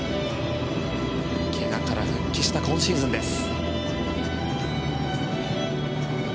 怪我から復帰した今シーズンです。